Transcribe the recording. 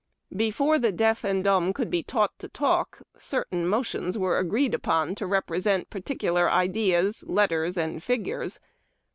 Before the deaf and dumb could be tausrht to talk, certain mo tions were agreed upon to represent })articular ideas, letters, and fio ures.